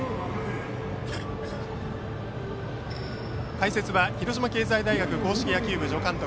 解説は広島経済大学硬式野球部助監督